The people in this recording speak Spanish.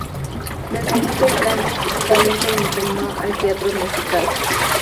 Desde muy temprano, su talento lo inclinó al teatro musical.